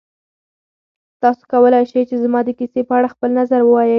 تاسو کولی شئ چې زما د کیسې په اړه خپل نظر ووایئ.